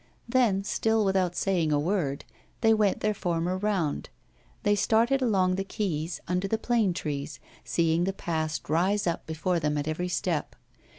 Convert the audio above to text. Then, still without saying a word, they went their former round; they started along the quays, under the plane trees, seeing the past rise up before them at every step.